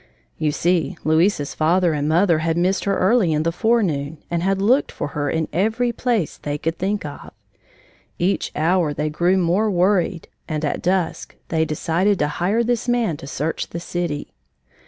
You see, Louisa's father and mother had missed her early in the forenoon and had looked for her in every place they could think of. Each hour they grew more worried, and at dusk they decided to hire this man to search the city.